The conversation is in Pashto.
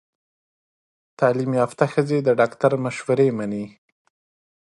تعلیم یافته ښځې د ډاکټر مشورې مني۔